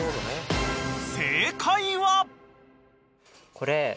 これ。